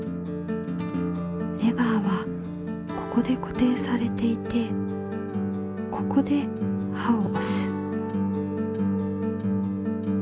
レバーはここでこていされていてここで刃をおす。